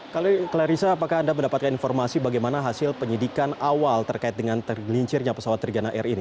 clarissa apakah anda mendapatkan informasi bagaimana hasil penyidikan awal terkait dengan tergelincirnya pesawat trigana air ini